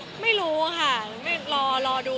ใช่หนูไปดู